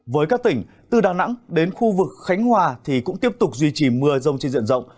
với các tỉnh từ đà nẵng đến khu vực khánh hòa thì cũng tiếp tục duy trì mưa rông trên diện rộng